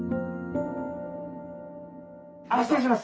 あ失礼します。